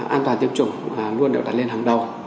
an toàn tiêm chủng luôn được đặt lên hàng đầu